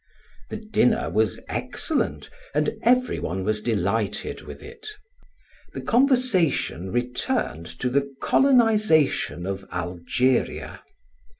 The dinner was excellent and everyone was delighted with it. The conversation returned to the colonization of Algeria.